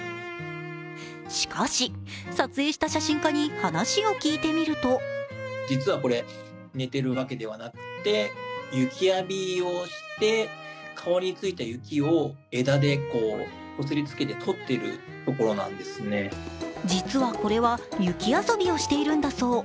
しかし、撮影した写真家に話を聞いてみると実はこれは雪遊びをしているんだそう。